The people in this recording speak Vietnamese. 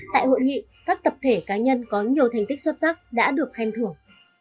tại hội nghị các tập thể cá nhân có nhiều thành tích xuất sắc đã được khen thưởng